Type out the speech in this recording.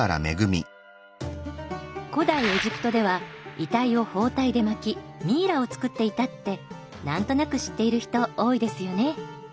古代エジプトでは遺体を包帯で巻きミイラを作っていたって何となく知っている人多いですよね？